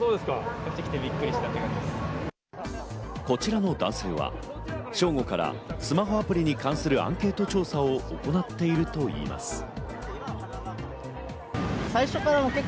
こちらの男性は正午からスマホアプリに関するアンケート調査を行っているといいます。